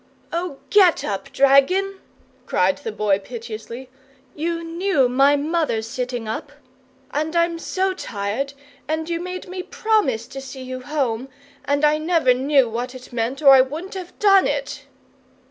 "Oh, GET up, dragon," cried the Boy, piteously. "You KNEW my mother's sitting up, and I'm so tired, and you made me promise to see you home, and I never knew what it meant or I wouldn't have done it!"